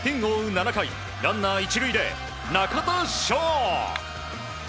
７回ランナー１塁で、中田翔。